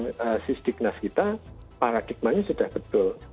nah sis di knas kita paradigmanya sudah betul